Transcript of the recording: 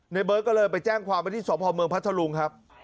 เบิร์ตก็เลยไปแจ้งความว่าที่สพเมืองพัทธลุงครับ